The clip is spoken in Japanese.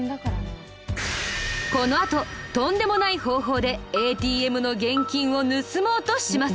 このあととんでもない方法でＡＴＭの現金を盗もうとします。